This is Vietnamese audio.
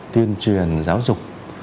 tuyên truyền giáo dục